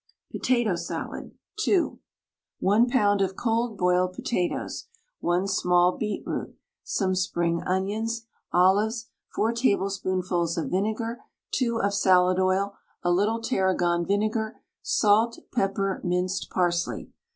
POTATO SALAD (2). 1 lb. of cold boiled potatoes, 1 small beetroot, some spring onions, olives, 4 tablespoonfuls of vinegar, 2 of salad oil, a little tarragon vinegar, salt, pepper, minced parsley.